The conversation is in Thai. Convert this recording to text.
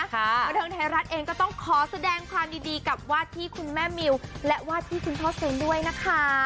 บันเทิงไทยรัฐเองก็ต้องขอแสดงความยินดีกับวาดที่คุณแม่มิวและวาดที่คุณพ่อเซนด้วยนะคะ